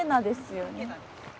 ですよね